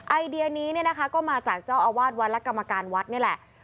ไอเดียนี้เนี่ยนะคะก็มาจากเจ้าอาวาสวัดและกรรมการวัดนี่แหละ